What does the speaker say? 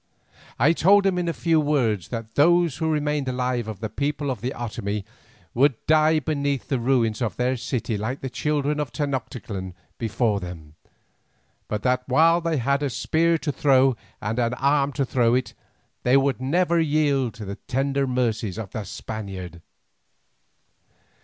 I told him in few words that those who remained alive of the people of the Otomie would die beneath the ruins of their city like the children of Tenoctitlan before them, but that while they had a spear to throw and an arm to throw it, they would never yield to the tender mercies of the Spaniard.